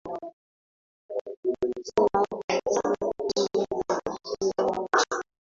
Kuna vidole kumi kwa mkono mmoja